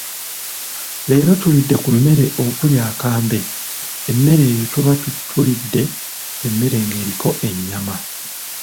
Leero tulidde ku mmere okuli akambe, emmere eyo tuba tulidde emmere ng'eriko ennyama.